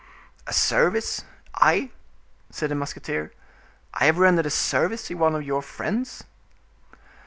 "A service—I?" said the musketeer; "I have rendered a service to one of your friends?"